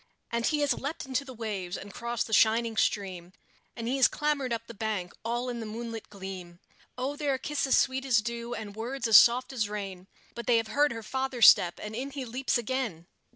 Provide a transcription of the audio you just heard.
And he has leaped into the waves, and crossed the shining stream, And he has clambered up the bank, all in the moonlight gleam; Oh, there are kisses sweet as dew, and words as soft as rain But they have heard her father's step, and in he leaps again!